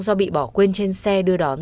do bị bỏ quên trên xe đưa đón